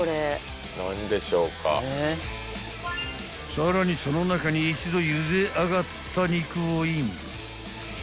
［さらにその中に一度ゆで上がった肉をイン］